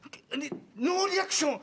ノーリアクション。